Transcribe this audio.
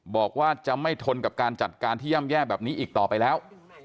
บอกว่าจะไม่ทนกับการจัดการที่ย่ำแย่แบบนี้อีกต่อไปแล้ว